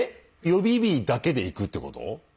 予備日だけでいくってこと？